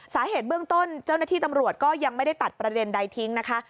สาเหตุเบื้องต้นเจ้าหน้าที่ตำรวจก็ยังไม่ได้ตัดประเด็นใดทิ้งนะคะ